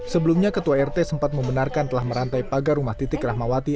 sebelumnya ketua rt sempat membenarkan telah merantai pagar rumah titik rahmawati